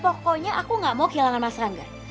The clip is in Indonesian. pokoknya aku gak mau kehilangan mas rangga